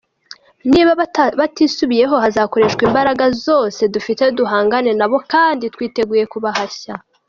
Niba batisubiyeho hazakoreshwa imbaraga zose dufite duhangane nabo kandi twiteguye kubahashya ».